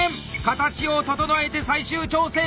形を整えて最終調整！